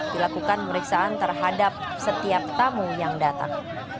dilakukan pemeriksaan terhadap setiap tamu yang datang